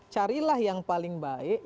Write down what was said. carilah yang paling baik